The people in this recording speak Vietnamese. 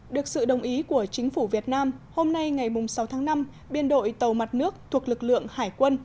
được sự đồng ý của chính phủ việt nam hôm nay ngày sáu tháng năm biên đội tàu mặt nước thuộc lực lượng hải quân